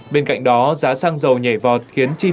bên cạnh đó giá xăng dầu nhảy vọt khiến chi tiêu